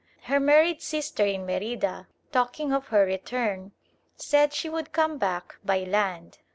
Her married sister in Merida, talking of her return, said she would come back by land.